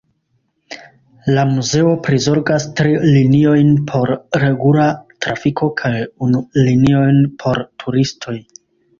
La muzeo prizorgas tri liniojn por regula trafiko kaj unu linion por turistoj.